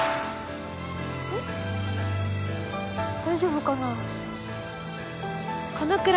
大丈夫かな？